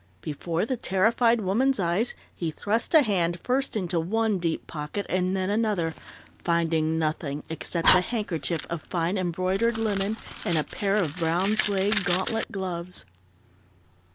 Before the terrified woman's eyes he thrust a hand first into one deep pocket and then another, finding nothing except a handkerchief of fine embroidered linen and a pair of brown suede gauntlet gloves.